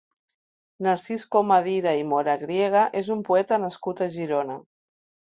Narcís Comadira i Moragriega és un poeta nascut a Girona.